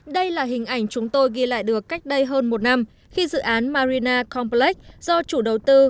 đây là hình ảnh chúng tôi ghi lại được cách đây hơn một năm khi dự án marina complex do chủ đầu tư